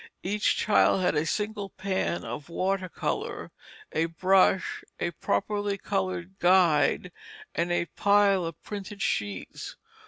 Each child had a single pan of water color, a brush, a properly colored guide, and a pile of printed sheets.